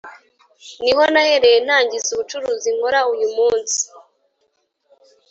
Niho nahereye ntangiza ubucuruzi nkora uyu munsi